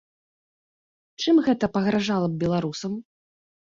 Чым гэта пагражала б беларусам?